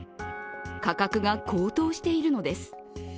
価格が高騰しているのです。